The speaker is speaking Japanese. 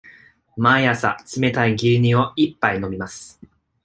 毎朝冷たい牛乳を一杯飲みます。